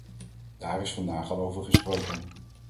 Daar is vandaag al over gesproken.